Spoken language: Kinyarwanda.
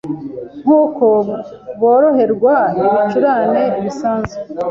nkuko boroherwa ibicurane bisanzwe